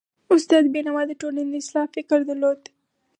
استاد بینوا د ټولني د اصلاح فکر درلود.